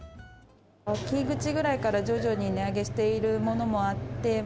秋口ぐらいから徐々に値上げしているものもあって。